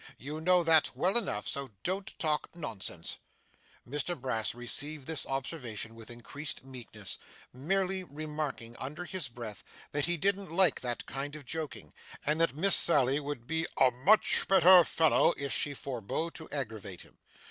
You know that well enough, so don't talk nonsense.' Mr Brass received this observation with increased meekness, merely remarking, under his breath, that he didn't like that kind of joking, and that Miss Sally would be 'a much better fellow' if she forbore to aggravate him.